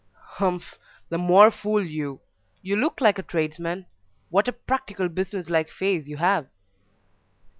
"Humph! the more fool you you look like a tradesman! What a practical business like face you have!"